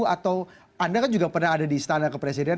atau anda kan juga pernah ada di istana kepresidenan